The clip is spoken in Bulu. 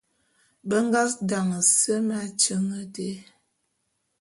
Be nga daňe semé atyeň dé.